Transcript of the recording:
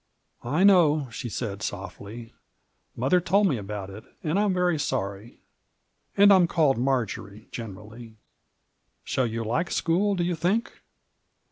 "I know," she said, softly; "mother told me about it, and I'm very sorry. And I'm called Marjory, generally. Shall you like school, do you think?"